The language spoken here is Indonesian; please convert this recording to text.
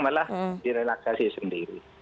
malah direlaksasi sendiri